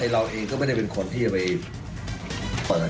เราเองก็ไม่ได้เป็นคนที่จะไปเปิด